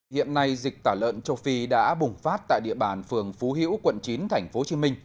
hiện nay dịch tả lợn châu phi đã bùng phát tại địa bàn phường phú hiễu quận chín tp hcm